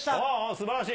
すばらしい。